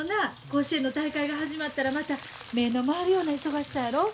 甲子園の大会が始まったらまた目の回るような忙しさやろ。